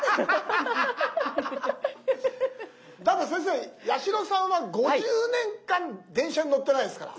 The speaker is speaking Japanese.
だって先生八代さんは５０年間電車に乗ってないですから。